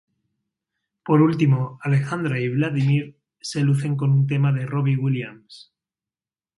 Por último Alejandra y Vladimir se lucen con un tema de Robbie Williams.